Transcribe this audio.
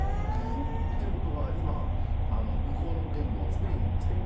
っていうことは今向こうの言語スペイン語？